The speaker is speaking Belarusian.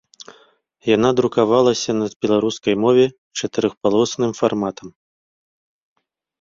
Яна друкавалася на беларускай мове чатырохпалосным фарматам.